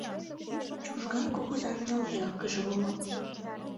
Чужган кугызан ныл эргыже уло.